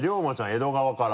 江戸川から。